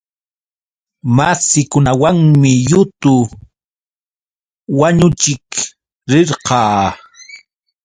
Massikunawanmi yutu wañuchiq rirqaa.